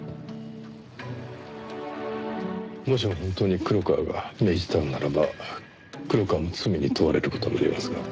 もしも本当に黒川が命じたのならば黒川も罪に問われる事になりますが。